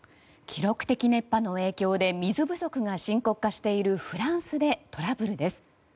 記録的熱波の影響で水不足が深刻化しているフランスでトラブルです。